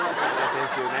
先週ね。